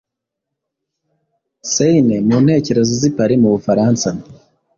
seine mu nkengero z’i Paris mu Bufaransa,